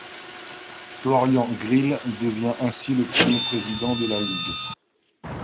Florian Grill devient ainsi le premier président de la ligue.